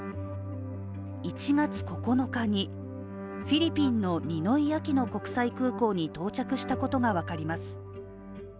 １月９日にフィリピンのニノイ・アキノ国際空港に到着したことが分かります。